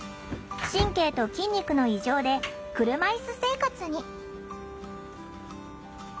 神経と筋肉の異常で車いす生活に。